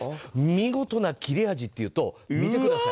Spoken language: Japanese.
見事な切れ味というと見てください。